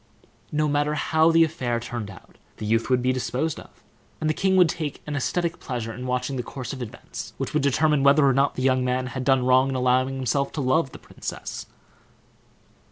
No matter how the affair turned out, the youth would be disposed of, and the king would take an aesthetic pleasure in watching the course of events, which would determine whether or not the young man had done wrong in allowing himself to love the princess.